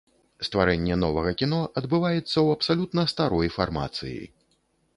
Стварэнне новага кіно адбываецца ў абсалютна старой фармацыі.